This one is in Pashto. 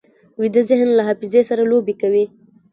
ویده ذهن له حافظې سره لوبې کوي